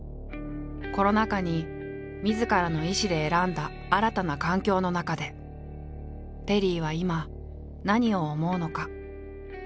コロナ禍にみずからの意思で選んだ新たな環境の中でテリーは今何を思うのか？